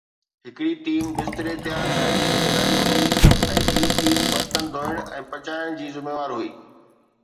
هڪڙي ٽيم بستري تيار ڪرڻ جي ذميداري هئي ۽ ٻي ٽيم برتن ڌوئڻ ۽ پچائڻ جي ذميوار هئي.